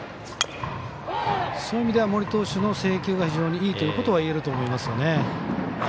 そういう意味では森投手の制球が非常にいいということは言えると思いますね。